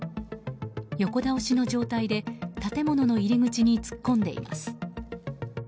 横倒しの状態で建物の入り口に突っ込んでいます。